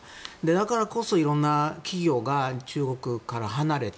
だからこそ、いろんな企業が中国から離れて。